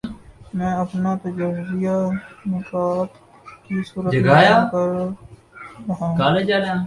میں اپنا تجزیہ نکات کی صورت میں بیان کر رہا ہوں۔